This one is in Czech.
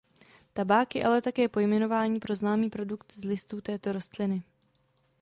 Tabák je ale také pojmenování pro známý produkt z listů této rostliny.